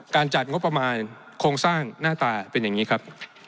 จัดงบประมาณโครงสร้างหน้าตาเป็นอย่างนี้ครับ